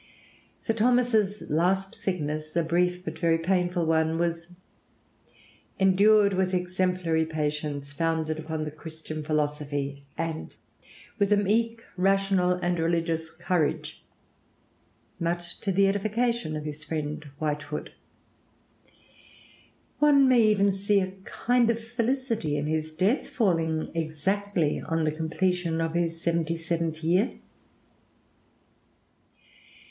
Sir Thomas's last sickness, a brief but very painful one, was "endured with exemplary patience founded upon the Christian philosophy," and "with a meek, rational, and religious courage," much to the edification of his friend Whitefoot. One may see even a kind of felicity in his death, falling exactly on the completion of his seventy seventh year.